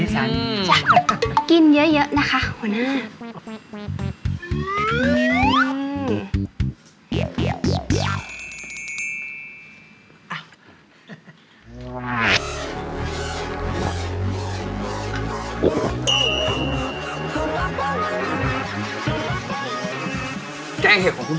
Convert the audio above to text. สีสัน